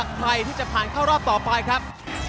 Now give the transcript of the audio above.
ใครที่จะผ่านเข้ารอบต่อไปครับ